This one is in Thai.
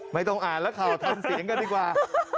ไม่ต้องอ่านแล้วเข่าทำเสียงกันดีกว่า